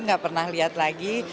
tidak pernah lihat lagi